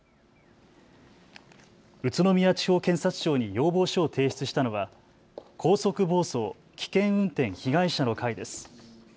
宇都宮地方検察庁に要望書を提出したのは高速暴走・危険運転被害者の会です。